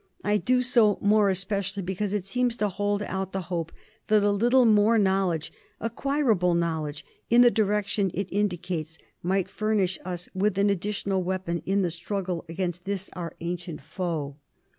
I do so more especially because it seems to hold out the hope that a little more knowledge — acquirable knowledge — in the direction it indicates might furnish us with an additional weapon in the struggle against this, our ancient foe.